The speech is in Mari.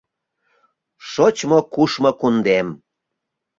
«Шочмо-кушмо кундем»